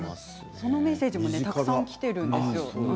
そのメッセージもたくさんきているんですよ。